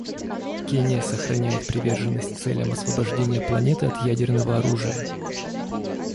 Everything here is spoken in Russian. Кения сохраняет приверженность целям освобождения планеты от ядерного оружия.